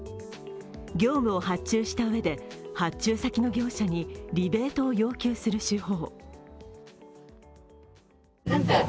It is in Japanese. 業務を発注したうえで発注先の業者にリベートを要求する手法。